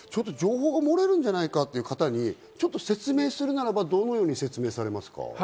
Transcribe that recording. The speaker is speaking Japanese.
情報が漏れるんじゃないかっていう方にちょっと説明するならば、どのように説明されますか？